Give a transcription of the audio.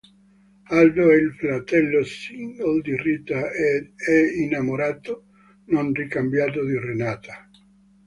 Aldo è il fratello single di Rita ed è innamorato, non ricambiato, di Renata.